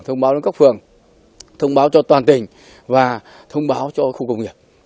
thông báo đến các phường thông báo cho toàn tỉnh và thông báo cho khu công nghiệp